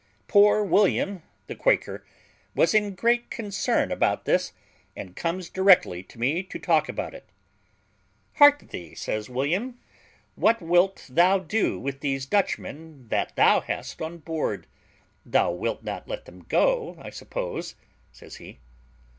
Poor William, the Quaker, was in great concern about this, and comes directly to me to talk about it. "Hark thee," says William, "what wilt thou do with these Dutchmen that thou hast on board? Thou wilt not let them go, I suppose," says he.